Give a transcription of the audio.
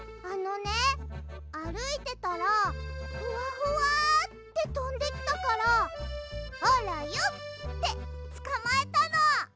あのねあるいてたらフワフワってとんできたから「あらよっ！」ってつかまえたの！